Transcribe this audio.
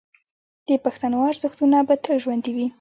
د پښتنو ارزښتونه به تل ژوندي وي.